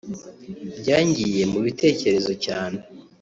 Byangiye mu bitekerezo cyane